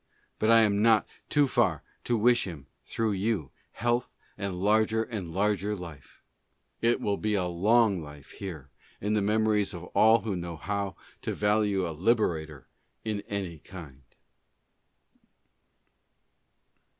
But I am not too far to wish him, through you, health and larger and larger life. It will be a long life here in the memories of all who know how to value a liberator in anv kind.